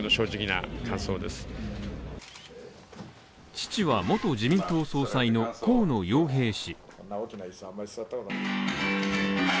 父は元自民党総裁の河野洋平氏。